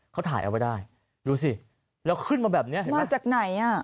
เขาถ่ายเอาไว้ได้ดูสิแล้วขึ้นมาแบบนี้เห็นไหมมาจากไหนอ่ะ